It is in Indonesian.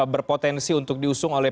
berpotensi untuk diusung oleh